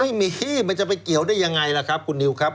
มันจะไปเกี่ยวได้ยังไงล่ะครับคุณนิวครับ